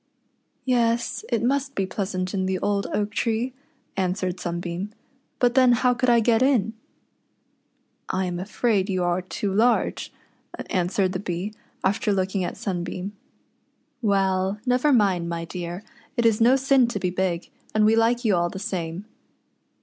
"Yes, it must be pleasant in the old oak tree," answered Sunbeam ; "but then how could I get in ?"" I am afraid you are too large," answered the Bee, after looking at Sunbeam. " Well, never mind, my dear, it is no sin to be big, and we like you all the same."